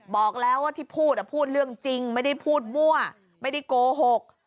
บอกแล้วว่าที่พูดพูดเรื่องจริงไม่ได้พูดมั่วไม่ได้โกหก